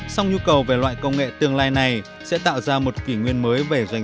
xong nhu cầu về loại công nghệ tương lai này sẽ tạo ra một kỷ nguyên mới về phát triển